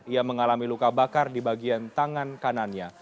ia mengalami luka bakar di bagian tangan kanannya